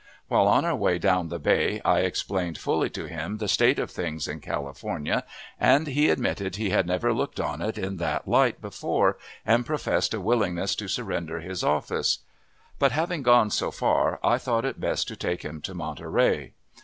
While on our way down the bay, I explained fully to him the state of things in California, and he admitted he had never looked on it in that light before, and professed a willingness to surrender his office; but, having gone so far, I thought it best to take him to Monterey.